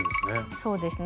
そうですね。